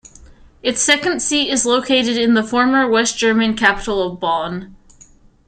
Its second seat is located in the former West German capital of Bonn.